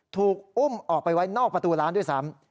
ถูกอุ้มออกไปไว้นอกประตูร้านด้วยซ้ำ